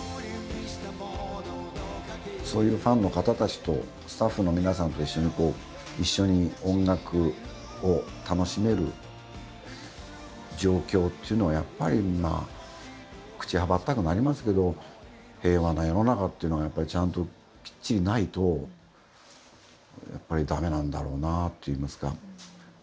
そういうファンの方たちとスタッフの皆さんと一緒に一緒に音楽を楽しめる状況っていうのは、やっぱりまあ、口はばったくなりますけど平和な世の中っていうのがちゃんときっちりないとやっぱりだめなんだろうなあっていいますか。